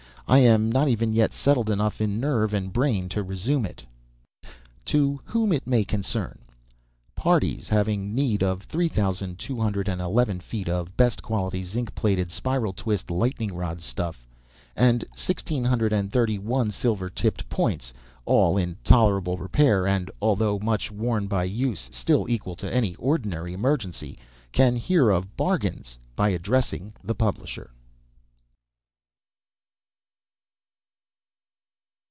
I am not even yet settled enough in nerve and brain to resume it. TO WHOM IT MAY CONCERN. Parties having need of three thousand two hundred and eleven feet of best quality zinc plated spiral twist lightning rod stuff, and sixteen hundred and thirty one silver tipped points, all in tolerable repair (and, although much worn by use, still equal to any ordinary emergency), can hear of a bargains by addressing the publisher.